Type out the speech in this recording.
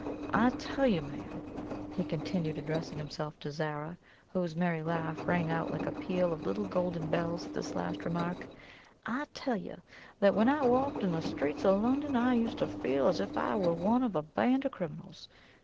I tell you, ma'am," he continued, addressing himself to Zara, whose merry laugh rang out like a peal of little golden bells at this last remark "I tell you that when I walked in the streets of London I used to feel as if I were one of a band of criminals.